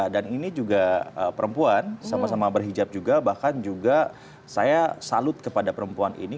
dan ini juga perempuan sama sama berhijab juga bahkan juga saya salut kepada perempuan ini